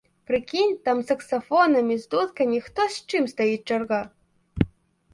Прыкінь, там, з саксафонамі, з дудкамі, хто з чым, стаіць чарга!